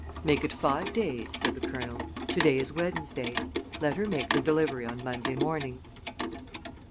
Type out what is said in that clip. "Make it five days," said the Colonel. "To day is Wednesday. Let her make the delivery on Monday morning."